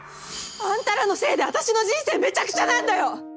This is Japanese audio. あんたらのせいで私の人生めちゃくちゃなんだよ！